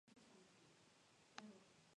De allí en adelante condujo diversos programas.